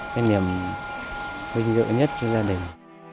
cái niềm vinh dự nhất cho gia đình